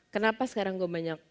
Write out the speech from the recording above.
kenapa sekarang gue banyak